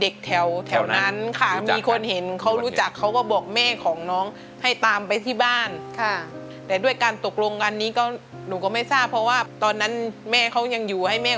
อคือข้างในค่ะค่ะฟันไปเฉาะ